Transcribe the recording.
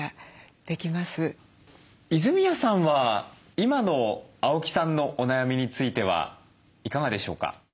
泉谷さんは今の青木さんのお悩みについてはいかがでしょうか？